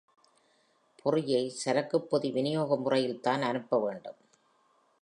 பொறியை சரக்குப் பொதி விநியோக முறையில் தான் அனுப்ப வேண்டும்.